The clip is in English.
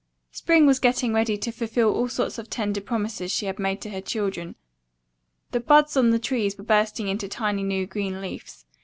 Spring was getting ready to fulfill all sorts of tender promises she had made to her children. The buds on the trees were bursting into tiny new green leaves.